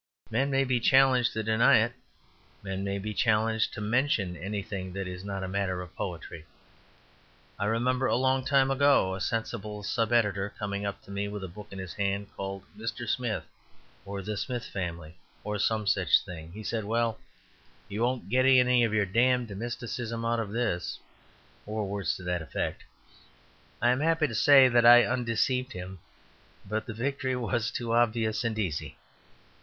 Men may be challenged to deny it; men may be challenged to mention anything that is not a matter of poetry. I remember a long time ago a sensible sub editor coming up to me with a book in his hand, called "Mr. Smith," or "The Smith Family," or some such thing. He said, "Well, you won't get any of your damned mysticism out of this," or words to that effect. I am happy to say that I undeceived him; but the victory was too obvious and easy.